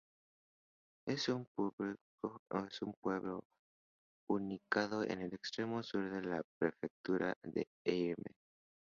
Fue un pueblo ubicado en el extremo sur de la Prefectura de Ehime.